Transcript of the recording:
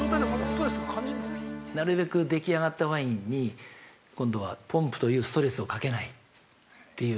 ◆なるべくでき上がったワインに今度は、ポンプというストレスをかけないっていう。